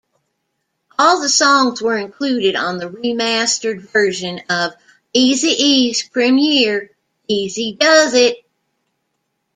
All the songs were included on the remastered version of Eazy-E's premiere, "Eazy-Duz-It".